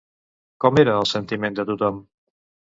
Com era el sentiment de tothom?